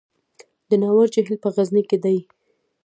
د ناور جهیل په غزني کې دی